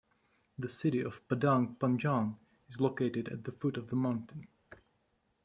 The city of Padang Panjang is located at the foot of the mountain.